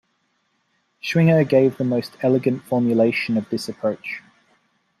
Schwinger gave the most elegant formulation of this approach.